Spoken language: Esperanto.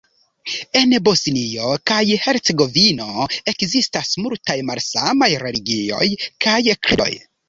En Bosnio kaj Hercegovino ekzistas multaj malsamaj religioj kaj kredoj.